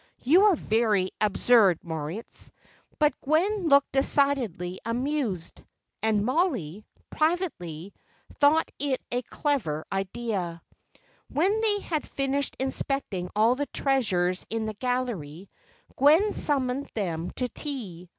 '" "You are very absurd, Moritz." But Gwen looked decidedly amused. And Mollie, privately, thought it a clever idea. When they had finished inspecting all the treasures in the gallery, Gwen summoned them to tea.